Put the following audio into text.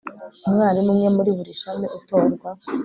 umwarimu umwe muri buri shami utorwa